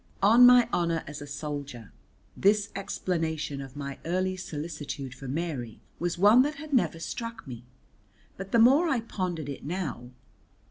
On my honour as a soldier this explanation of my early solicitude for Mary was one that had never struck me, but the more I pondered it now